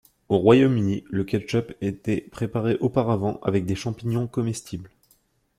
Au Royaume-Uni, le ketchup était préparé auparavant avec des champignons comestibles.